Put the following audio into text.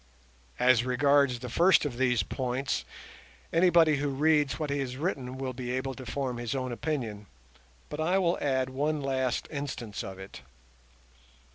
As regards the first of these points, anybody who reads what he has written will be able to form his own opinion; but I will add one last instance of it.